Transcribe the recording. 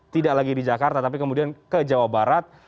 tidak lagi di jakarta tapi kemudian ke jawa barat